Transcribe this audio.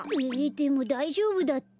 でもだいじょうぶだって。